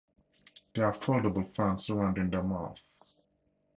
They have foldable fans surrounding their mouths.